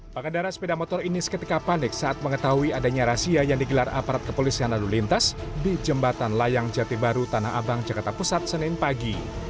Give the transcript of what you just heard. pengendara sepeda motor ini seketika panik saat mengetahui adanya rahasia yang digelar aparat kepolisian lalu lintas di jembatan layang jati baru tanah abang jakarta pusat senin pagi